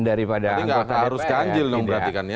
daripada anggota dpr